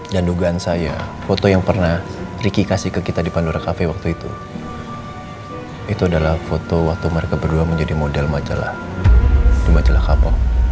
dan dugaan saya foto yang pernah ricky kasih ke kita di pandora cafe waktu itu itu adalah foto waktu mereka berdua menjadi model majalah di majalah kapol